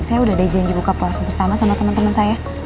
saya udah ada janji buka puasa bersama sama teman teman saya